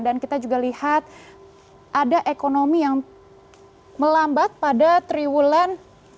dan kita juga lihat ada ekonomi yang melambat pada triwulan tiga dua ribu dua puluh dua